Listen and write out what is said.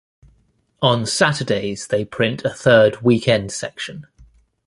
On Saturdays they print a third weekend-section.